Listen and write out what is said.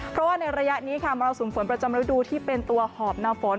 เพราะว่าในระยะนี้ค่ะมรสุมฝนประจำฤดูที่เป็นตัวหอบน้ำฝน